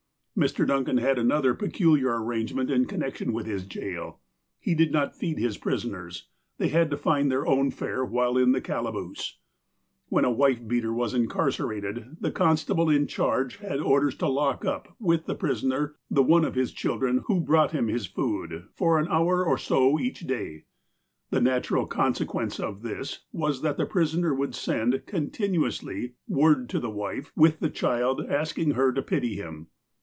Mr. Duncan had another peculiar arrangement in con nection with his jail. He did not feed his prisoners. They had to find their own fare while in the calaboose. When a wife beater was incarcerated, the constable in charge had orders to lock up, with the prisoner, the one of his children who brought him his food, for an hour or so each day. The natural consequence of this was that the prisoner would send, continuously, word to the wife, with the child, asking her to pity him.